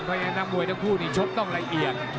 เพราะฉะนั้นนักมวยทั้งคู่นี่ชกต้องละเอียด